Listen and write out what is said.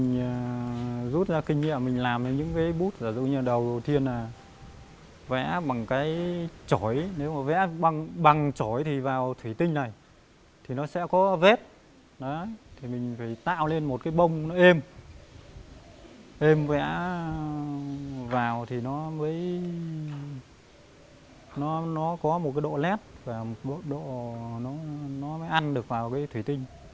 khi mình vẽ thì mình rút ra kinh nghiệm mình làm những cái bút giả dụ như đầu đầu tiên là vẽ bằng cái chổi nếu mà vẽ bằng chổi thì vào thủy tinh này thì nó sẽ có vết thì mình phải tạo lên một cái bông nó êm êm vẽ vào thì nó mới nó có một cái độ lét nó mới ăn được vào cái thủy tinh